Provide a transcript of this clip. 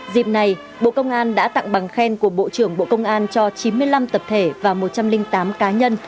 dịp này bộ công an đã tặng bằng khen của bộ trưởng bộ công an cho chín mươi năm tập thể và một trăm linh tám cá nhân